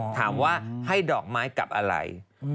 ถามว่าให้ดอกไม้กับอะไร